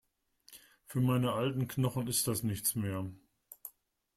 Für meine alten Knochen ist das nichts mehr.